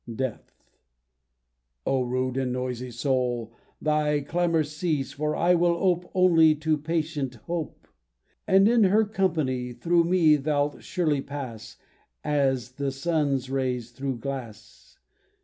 DEATH O rude and noisy soul, thy clamour cease, For I will ope Only to patient Hope, And in her company Through me thou'lt surely pass As the sun's ray through glass.